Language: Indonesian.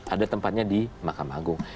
ada tempatnya di mahkamah agung